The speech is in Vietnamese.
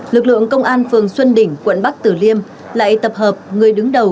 lực lượng công an phường xuân đỉnh quận bắc tử liêm lại tập hợp người đứng đầu